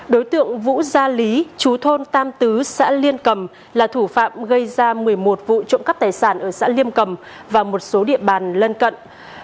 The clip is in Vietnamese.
đối tượng vũ gia lý chú thôn tam tứ xã liên cầm là thủ phạm gây ra một mươi một vụ trộm cắp tài sản ở xã liêm cầm và một số địa bàn lân cận